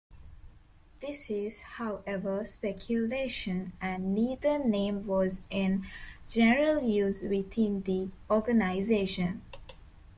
This is, however, speculation, and neither name was in general use within the organization.